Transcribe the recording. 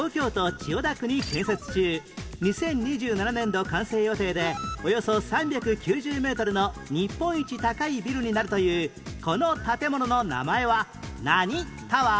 ２０２７年度完成予定でおよそ３９０メートルの日本一高いビルになるというこの建物の名前は何タワー？